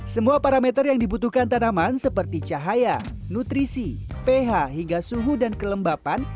semua parameter yang dibutuhkan tanaman seperti cahaya nutrisi ph hingga suhu dan kelembapan